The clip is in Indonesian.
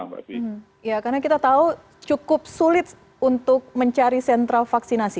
ya karena kita tahu cukup sulit untuk mencari sentra vaksinasi